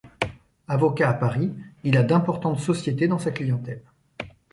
Avocat à Paris, il a d'importantes sociétés dans sa clientèle.